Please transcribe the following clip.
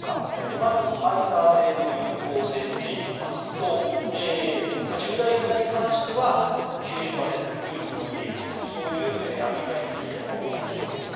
まず、ファイザー製の有効性を見ていきますと従来型に関しては９０％を優に超えているというアメリカＦＤＡの検証結果。